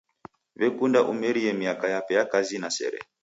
W'ekunda umerie miaka yape kazinyi na sere.